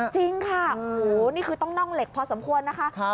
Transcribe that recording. จริงค่ะโอ้โหนี่คือต้องน่องเหล็กพอสมควรนะคะ